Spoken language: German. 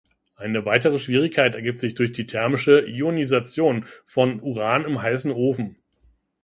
Eine weitere Schwierigkeit ergibt sich durch die thermische Ionisation von Uran im heißen Ofen.